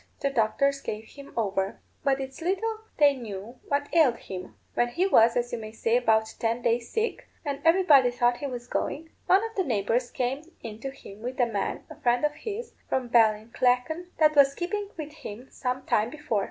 The doctors gave him over. But it's little they knew what ailed him. When he was, as you may say, about ten days sick, and everybody thought he was going, one of the neighbours came in to him with a man, a friend of his, from Ballinlacken, that was keeping with him some time before.